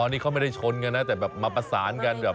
นี่เขาไม่ได้ชนกันนะแต่แบบมาประสานกันแบบ